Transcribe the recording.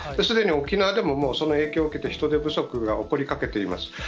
すでに沖縄でももうその影響を受けて、人手不足が起こりかけています。